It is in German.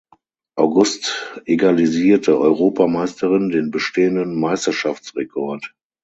August egalisierte Europameisterin den bestehenden Meisterschaftsrekord.